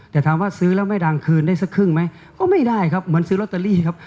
แต่ถามว่าซื้อแล้วไม่ดังคืนได้สักครึ่งไหมก็ไม่ได้ครับเหมือนซื้อลอตเตอรี่ครับ